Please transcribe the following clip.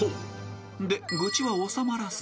で愚痴は収まらず］